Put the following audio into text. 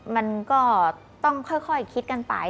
มันก็ต้องค่อยคิดกันไป